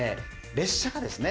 列車がですね